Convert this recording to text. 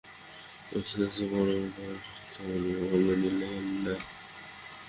বলছিলে না, যে, বড়োমা একলাই কাশী যাচ্ছেন, আমাকে সঙ্গে নিলেন না?